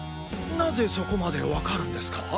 なぜそこまでわかるんですか？